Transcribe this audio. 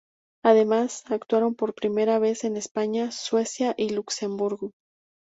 Además, actuaron por primera vez en España, Suecia y Luxemburgo.